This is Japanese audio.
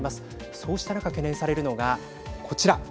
そうした中、懸念されるのがこちら。